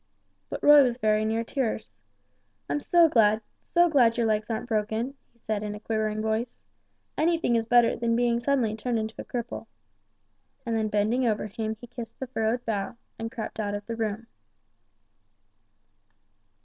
But Roy was very near tears. "I'm so glad so glad your legs aren't broken," he said, in a quivering voice, "anything is better than being suddenly turned into a cripple!" And then bending over him he kissed the furrowed brow, and crept out of the room.